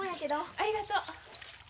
ありがとう。